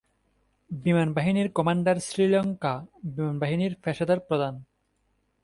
বিমানবাহিনীর commander Sri Lanka বিমানবাহিনীর পেশাদার প্রধান।